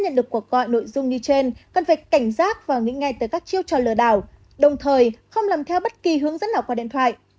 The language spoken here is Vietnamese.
cảnh giác và nghĩ ngay tới các chiêu trò lừa đảo đồng thời không làm theo bất kỳ hướng dẫn nào qua điện thoại